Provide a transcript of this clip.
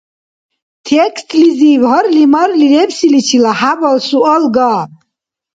Текслизиб гьарли-марли лебсиличила хӀябал суал га